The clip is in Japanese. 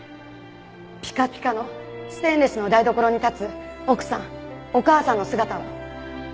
ピカピカのステンレスの台所に立つ奥さんお母さんの姿を。